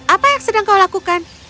apa yang sedang kau lakukan